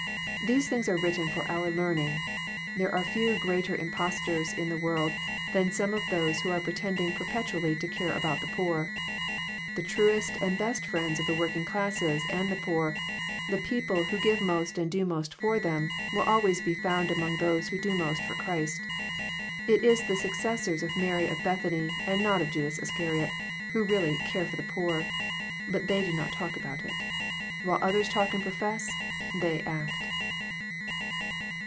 These things are written for our learning. There are few greater impostors in the world than some of those who are pretending perpetually to care about the poor. The truest and best friends of the working classes and the poor, the people who give most and do most for them, will always be found among those who do most for Christ. It is the succes> sors of Mary of Bethany, and not of Judas Iscariot, who really '* care for the poor." But they do not talk about it. While others talk and profess, they act.